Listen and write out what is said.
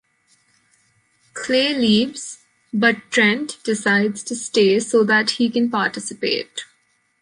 Clay leaves, but Trent decides to stay so that he can participate.